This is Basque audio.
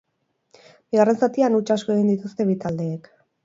Bigarren zatian, huts asko egin dituzte bi taldeek.